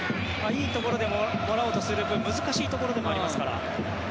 いいところでもらおうとする分難しいところでもありますから。